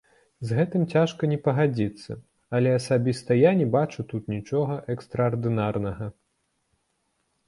З гэтым цяжка не пагадзіцца, але асабіста я не бачу тут нічога экстраардынарнага.